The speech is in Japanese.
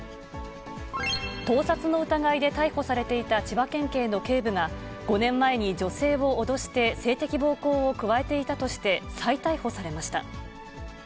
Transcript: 盗撮の疑いで逮捕されていた千葉県警の警部が、５年前に女性を脅して性的暴行を加えていたとして、再逮捕されました。